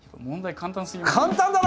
簡単だな！